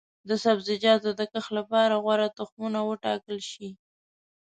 د سبزیجاتو د کښت لپاره غوره تخمونه وټاکل شي.